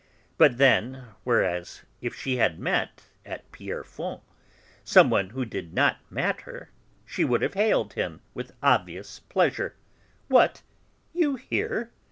But then, whereas, if she had met, at Pierrefonds, some one who did not matter, she would have hailed him with obvious pleasure: "What, you here?"